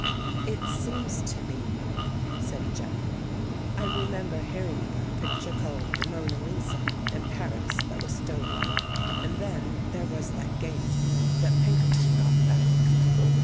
" It seems to me," said Jeffrey, " I remember hearing about a picture called The Mona Lisa, in Paris, that was stolen. And then there was that Gainsborough that Pinkerton got back."